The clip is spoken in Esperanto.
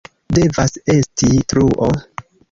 Devas esti truo!